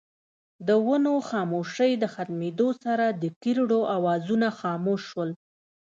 د ونو خاموشۍ د ختمېدو سره دکيرړو اوازونه خاموش شول